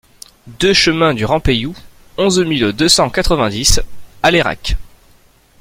deux chemin du Rampaillou, onze mille deux cent quatre-vingt-dix Alairac